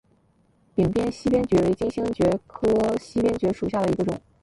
屏边溪边蕨为金星蕨科溪边蕨属下的一个种。